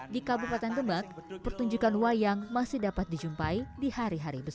di kabupaten temet pertunjukan wayang masih dapat dijumpai di hari ini